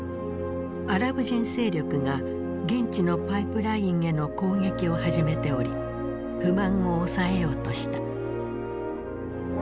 アラブ人勢力が現地のパイプラインへの攻撃を始めており不満を抑えようとした。